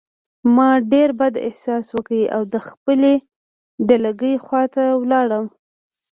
ما ډېر بد احساس وکړ او د خپلې ډلګۍ خواته لاړم